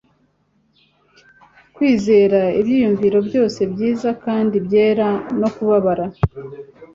kwizera ibyiyumvo byose byiza kandi byera, no kubabara